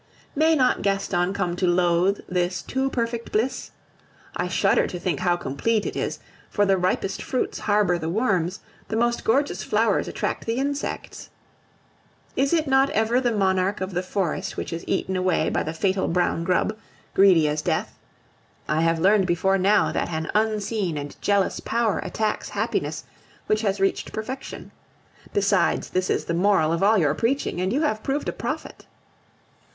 May not Gaston come to loathe this too perfect bliss? I shudder to think how complete it is, for the ripest fruits harbor the worms, the most gorgeous flowers attract the insects. Is it not ever the monarch of the forest which is eaten away by the fatal brown grub, greedy as death? I have learned before now that an unseen and jealous power attacks happiness which has reached perfection. Besides, this is the moral of all your preaching, and you have been proved a prophet.